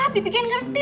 bibi kan ngerti